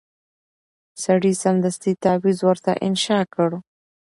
سړي سمدستي تعویذ ورته انشاء کړ